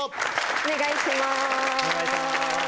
お願いします